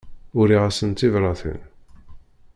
Uriɣ-asen tibratin.